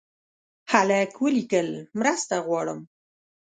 هلک ولیکل مرسته غواړم.